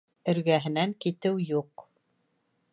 Эргәһенән китеү юҡ.